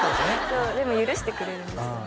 そうでも許してくれるんですよね